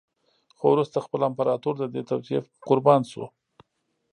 خو وروسته خپله امپراتور د دې توطیې قربا شو